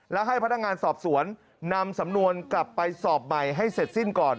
และให้พนักงานสอบสวนนำสำนวนกลับไปสอบใหม่ให้เสร็จสิ้นก่อน